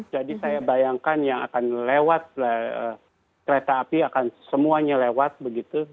jadi saya bayangkan yang akan lewat kereta api akan semuanya lewat begitu